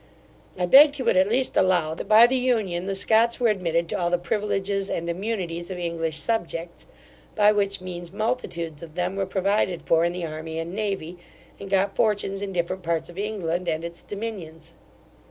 I begged he would at least allow, that by the union the Scots were admitted to all the privileges and immunities of English subjects; by which means multitudes of them were provided for in the army and navy, and got fortunes in different parts of England, and its dominions.